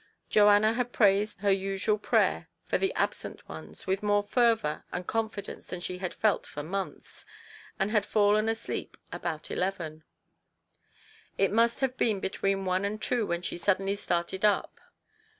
Joanna had prayed her usual prayer for the absent ones with more fervour and con fidence than she had felt for months, and had fallen asleep about eleven. It must have been between one and two when she suddenly started up.